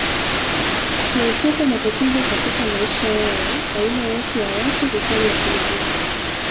kuepuka matatizo katika maisha yao Aina yote ya watu hufanya hivyo